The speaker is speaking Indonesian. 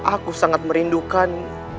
aku sangat merindukan